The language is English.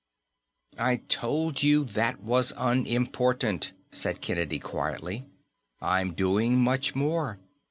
"I told you that was unimportant," said Kennedy quietly. "I'm doing much more.